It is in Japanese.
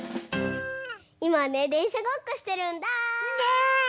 いまねでんしゃごっこしてるんだ。ね！